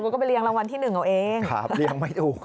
ก็ไปเรียงรางวัลที่หนึ่งเอาเอง